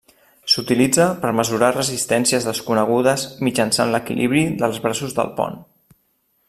S'utilitza per mesurar resistències desconegudes mitjançant l'equilibri dels braços del pont.